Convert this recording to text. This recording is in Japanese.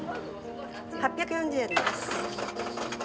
８４０円です。